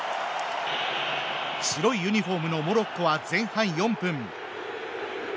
白いユニフォームのモロッコは前半４分。